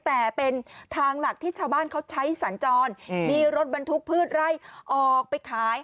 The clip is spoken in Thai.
แต่เป็นทางหลักที่ชาวบ้านเขาใช้สัญจรมีรถบรรทุกพืชไร่ออกไปขาย